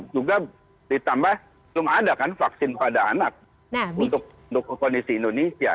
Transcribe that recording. juga ditambah belum ada kan vaksin pada anak untuk kondisi indonesia